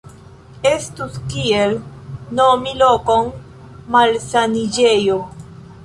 Estus kiel nomi lokon malsaniĝejo.